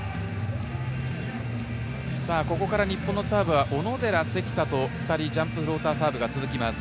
ここから日本のサーブは小野寺、関田と２人ジャンプフローターサービスが続きます。